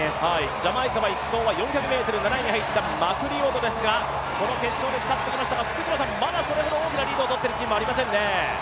ジャマイカは１走は４００ｍ７位に入ったマクリオドですが、この決勝で使ってきましたが、まだそれほど大きなリードをとっているチームはありませんね。